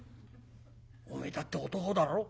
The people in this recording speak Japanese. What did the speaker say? おめえだって男だろ？